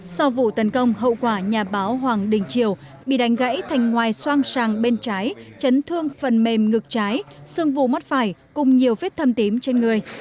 sau vụ tấn công hậu quả nhà báo hoàng đình triều bị đánh gãy thành ngoài soang sàng bên trái chấn thương phần mềm ngực trái xương vù mắt phải cùng nhiều vết thâm tím trên người